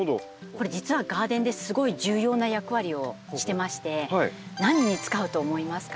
これ実はガーデンですごい重要な役割をしてまして何に使うと思いますか？